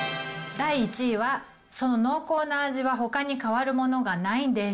第１位は、その濃厚な味はほかに代わるものがないんです。